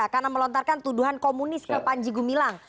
karena melontarkan tuduhan komunis ke panji gumilang